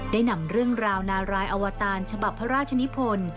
ได้นำเรื่องราวนารายอวตารฉบับพระราชนิพล